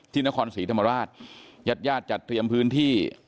ที่นครศรีธรรมราชยัดยาตรจัดเตรียมพื้นที่